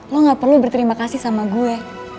lo gak perlu berterima kasih sama gue